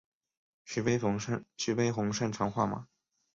徐悲鸿最擅长画马。